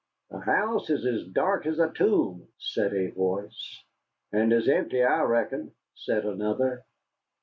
"The house is as dark as a tomb," said a voice. "And as empty, I reckon," said another.